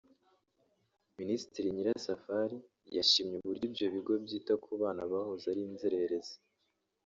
Minisitiri Nyirasafari yashimye uburyo ibyo bigo byita ku bana bahoze ari inzererezi